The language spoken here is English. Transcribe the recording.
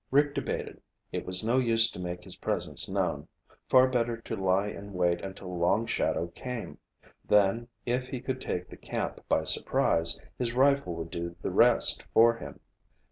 Rick debated. It was no good to make his presence known. Far better to lie in wait until Long Shadow came. Then, if he could take the camp by surprise, his rifle would do the rest for him.